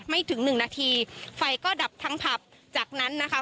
ถึงหนึ่งนาทีไฟก็ดับทั้งผับจากนั้นนะคะ